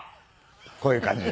こういう感じで。